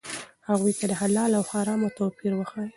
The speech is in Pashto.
هغوی ته د حلال او حرامو توپیر وښایئ.